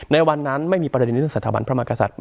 ในวันนั้นไม่มีประเด็นในเรื่องสถาบันพระมากษัตริย์